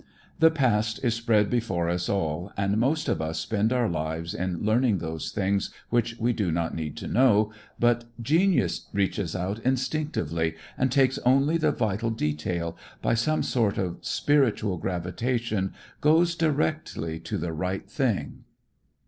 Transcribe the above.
The past is spread before us all and most of us spend our lives in learning those things which we do not need to know, but genius reaches out instinctively and takes only the vital detail, by some sort of spiritual gravitation goes directly to the right thing.